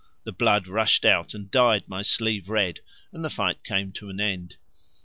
The blood rushed out and dyed my sleeve red, and the fight came to an end.